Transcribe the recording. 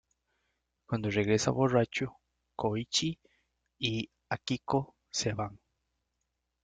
Cuando regresa, borracho, Kōichi y Akiko se van.